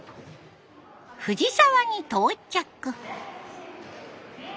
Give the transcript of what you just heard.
藤沢に到着。